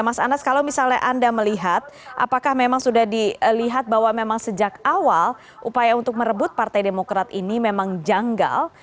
mas anas kalau misalnya anda melihat apakah memang sudah dilihat bahwa memang sejak awal upaya untuk merebut partai demokrat ini memang janggal